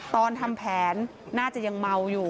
ตอนทำแผนน่าจะยังเมาอยู่